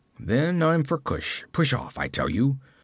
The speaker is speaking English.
'Then I'm for Kush! Push off, I tell you!'